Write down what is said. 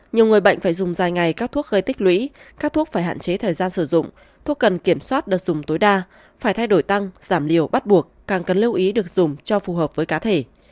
nhiều người bệnh phải dùng dài ngày các thuốc gây tích lũy các thuốc phải hạn chế thời gian sử dụng thuốc cần kiểm soát được dùng tối đa phải thay đổi tăng giảm liều bắt buộc càng cần lưu ý được dùng cho phù hợp với cá thể